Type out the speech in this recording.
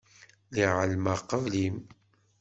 Lliɣ εelmeɣ qbel-im.